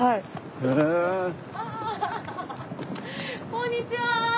・こんにちは！